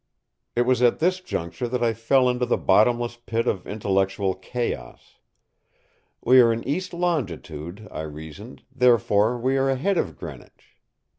It was at this juncture that I fell into the bottomless pit of intellectual chaos. We are in east longitude, I reasoned, therefore we are ahead of Greenwich.